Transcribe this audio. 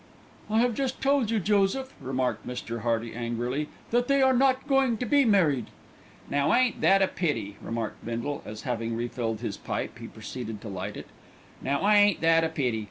"I have just told you, Joseph," remarked Mr. Hearty angrily, "that they are not going to be married." "Now ain't that a pity," remarked Bindle, as, having re filled his pipe, he proceeded to light it. "Now ain't that a pity.